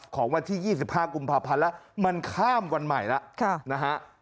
ของวันที่๒๕กุมภาพันธ์แล้วมันข้ามวันใหม่แล้วนะฮะ